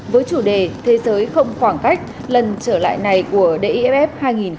với chủ đề thế giới không khoảng cách lần trở lại này của diff hai nghìn hai mươi ba